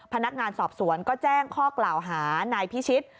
พนักงานสอบสวนก็แจ้งข้อกล่าวหานายพิชิต